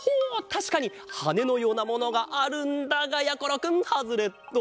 たしかにはねのようなものがあるんだがやころくんハズレット！